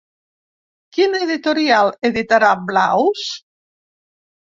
Quina editorial editarà Blaus?